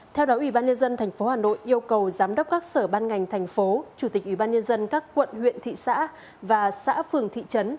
theo đó ubnd tp hà nội yêu cầu giám đốc các sở ban ngành thành phố chủ tịch ubnd các quận huyện thị xã và xã phường thị trấn